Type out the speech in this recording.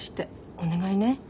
お願いね。